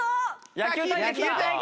野球対決！